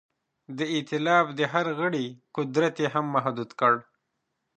د ایتلاف د هر غړي قدرت یې هم محدود کړ.